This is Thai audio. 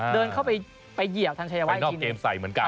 เดินเข้าไปไปเหยียบทางชัยวัดอีกทีนึง